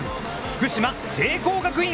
福島・聖光学院！